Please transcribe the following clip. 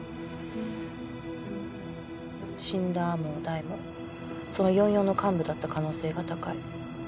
死んだ天羽大もその４４の幹部だった可能性が高い。